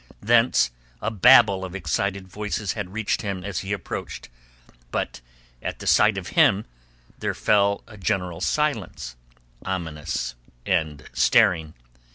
Thence a babble of excited voices had reached him as he approached. But at sight of him there fell a general silence, ominous and staring.